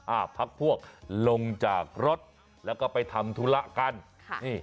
พักพวกลงจากรถแล้วก็ไปทำธุระกันค่ะนี่